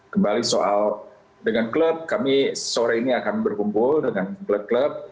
kembali soal dengan klub kami sore ini akan berkumpul dengan klub klub